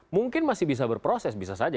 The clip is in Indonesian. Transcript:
mungkin masih bisa berproses bisa saja